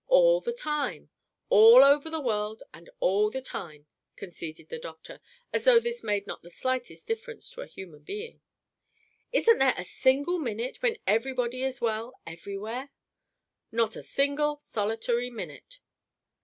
"All the time! All over the world and all the time!" conceded the doctor, as though this made not the slightest difference to a human being. "Isn't there a single minute when everybody is well everywhere?" "Not a single, solitary minute."